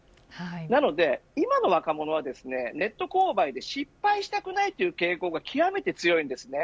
なので、今の若者はネット購買で失敗したくないという傾向が極めて強いです。